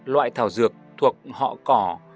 loại thảo dược thuộc họ cỏ